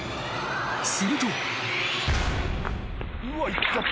すると］